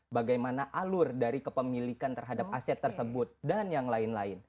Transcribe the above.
bagaimana alur dari kepemilikan terhadap aset tersebut dan yang lain lain